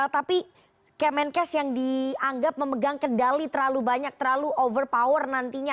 tapi kemenkes yang dianggap memegang kendali terlalu banyak terlalu overpower nantinya